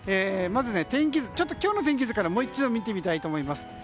まず、今日の天気図からもう一度見てみたいと思います。